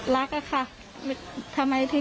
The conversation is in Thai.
มันมีแม่ด้วย